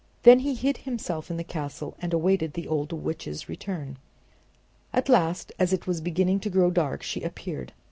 Then he hid himself in the castle and awaited the old witch's arrival. At last as it was beginning to grow dark she appeared.